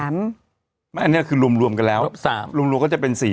ลุมลวมก็จะเป็น๔